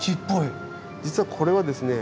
実はこれはですね